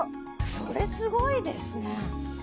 それすごいですね。